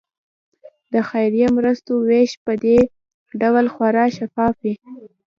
د خیریه مرستو ویش په دې ډول خورا شفاف وي.